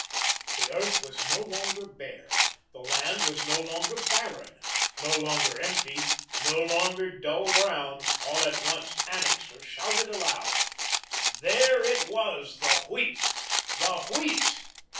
The earth was no longer bare. The land was no longer barren, no longer empty, no longer dull brown. All at once Annixter shouted aloud. There it was, the Wheat, the Wheat!